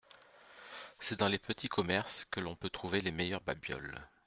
C’est dans les petits commerces que l’on peut trouver les meilleurs babioles.